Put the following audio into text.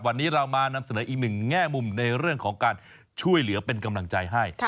วันนี้เรามานำเสนออีกหนึ่งแง่มุมในเรื่องของการช่วยเหลือเป็นกำลังใจให้